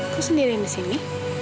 kau sendirian di sini